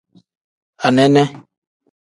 Anene.